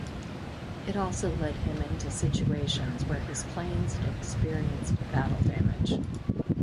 It also led him into situations where his planes experienced battle damage.